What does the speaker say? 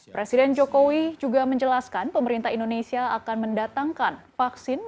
presiden jokowi juga menjelaskan pemerintah indonesia akan mendatangkan vaksin